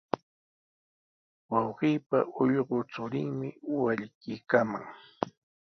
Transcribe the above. Wawqiipa ullqu churinmi wallkiykaaman.